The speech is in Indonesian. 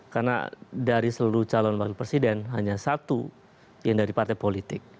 karena dari seluruh calon bagi presiden hanya satu yang dari partai politik